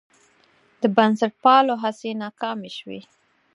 د بنسټپالو هڅې ناکامې شوې.